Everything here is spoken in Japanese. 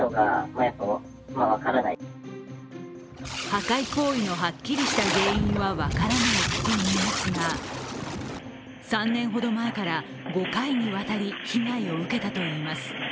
破壊行為のはっきりした原因は分からないといいますが３年ほど前から５回にわたり被害を受けたといいます。